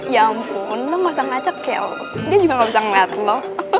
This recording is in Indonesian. ya ampun lo gak usah ngelacak kayak elus dia juga gak usah ngeliat lo